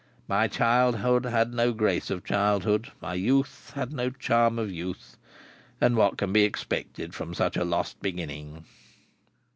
My childhood had no grace of childhood, my youth had no charm of youth, and what can be expected from such a lost beginning?"